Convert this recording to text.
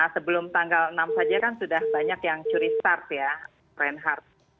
sebelum tanggal enam saja kan sudah banyak yang curi start ya reinhardt